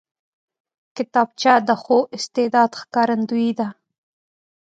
کتابچه د ښو استعداد ښکارندوی ده